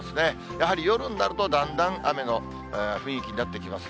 やはり夜になると、だんだん雨の雰囲気になってきます。